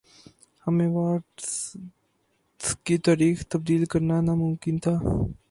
ہم ایوارڈز کی تاریخ تبدیل کرنا ناممکن تھا